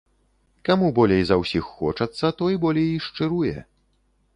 Каму болей за ўсіх хочацца, той болей і шчыруе.